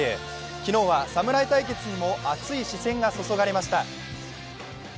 昨日は侍対決にも熱い視線が注がれました。